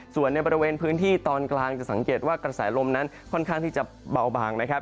ส่วนในบริเวณพื้นที่ตอนกลางจะสังเกตว่ากระแสลมนั้นค่อนข้างที่จะเบาบางนะครับ